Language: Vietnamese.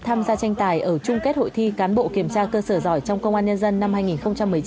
tham gia tranh tài ở chung kết hội thi cán bộ kiểm tra cơ sở giỏi trong công an nhân dân năm hai nghìn một mươi chín